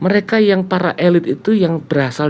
mereka yang para elit itu yang berasal